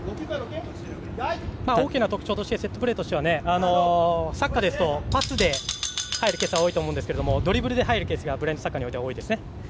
大きな特徴としてセットプレーとしてはサッカーだとパスで入るケースが多いですがドリブルで入るケースがブラインドサッカーにおいては多いですね。